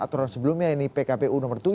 aturan sebelumnya ini pkpu nomor tujuh